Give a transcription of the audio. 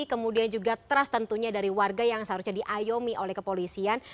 kemudian juga trust tentunya dari warga yang seharusnya diayomi oleh kepolisian